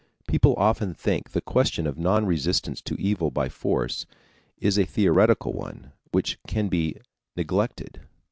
People often think the question of non resistance to evil by force is a theoretical one, which can be neglected.